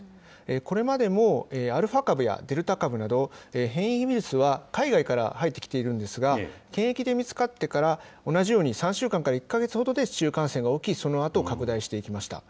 これまでもアルファ株やデルタ株など、変異ウイルスは海外から入ってきているんですが、検疫で見つかってから、同じように３週間から１か月ほどで市中感染が起き、そのあと拡大していきました。